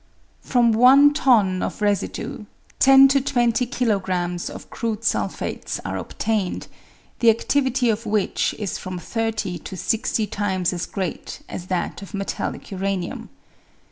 From one ton of residue 10 to 20 kilogrms. of crude sul phates are obtained, the adivity of which is from thirty to sixty times as great as that of metallic uranium.